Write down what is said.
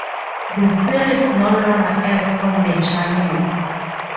The series no longer airs on the channel.